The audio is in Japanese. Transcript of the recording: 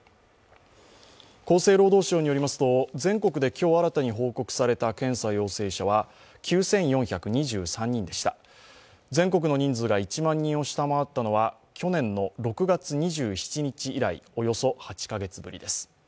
厚生労働省によりますと、全国で今日新たに報告された陽性者は９４２３人でした全国の人数が１万人を下回ったのは去年の６月２７日以来およそ８か月ぶりです。